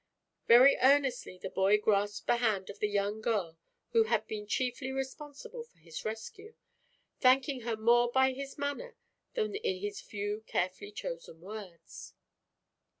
Very earnestly the boy grasped the hand of the young girl who had been chiefly responsible for his rescue, thanking her more by his manner than in his few carefully chosen words.